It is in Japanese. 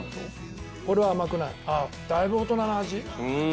あっだいぶ大人の味